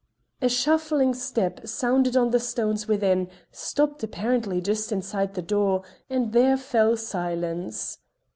A shuffling step sounded on the stones within, stopped apparently just inside the door, and there fell silence.